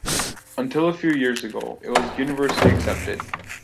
Until a few years ago it was universally accepted.